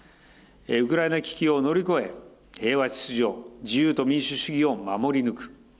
ウクライナ危機を乗り越え、平和秩序、自由と民主主義を守り抜く。